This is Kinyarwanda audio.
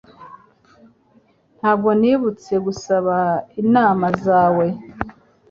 Ntabwo nibutse gusaba inama zawe.